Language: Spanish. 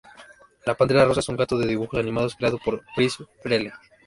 La Pantera Rosa es un gato de dibujos animados creado por Friz Freleng.